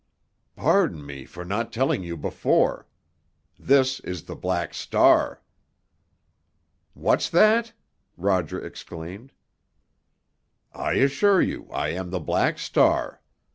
"Pardon me for not telling you before. This is the Black Star." "What's that?" Roger exclaimed. "I assure you I am the Black Star.